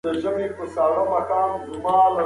دا کلمه تر هغې روښانه ده.